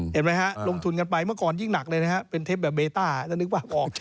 เห็นไหมฮะลงทุนกันไปเมื่อก่อนยิ่งหนักเลยนะฮะเป็นเทปแบบเบต้าจะนึกป่ะออก